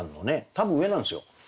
多分上なんですよ。